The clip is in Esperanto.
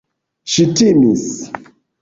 Ŝi timis.